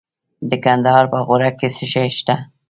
د کندهار په غورک کې څه شی شته؟